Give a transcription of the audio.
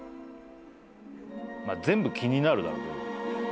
全部気になるだろうけど。